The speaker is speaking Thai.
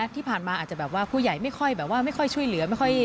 ที่ผ่านมาอาจจะแบบว่าผู้ใหญ่ไม่ค่อยช่วยเหลือ